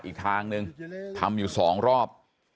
อีกทางนึงทำอยู่๒รอบ